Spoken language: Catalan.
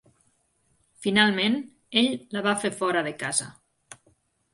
Finalment, ell la va fer fora de casa.